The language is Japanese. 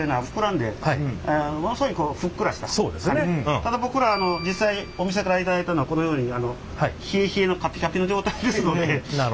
ただ僕ら実際お店から頂いたのはこのように冷え冷えのカピカピの状態ですので。